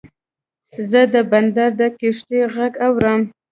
زه د بندر د کښتۍ غږ اورم.